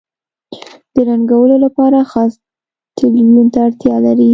د رنګولو لپاره خاص تلوین ته اړتیا لري.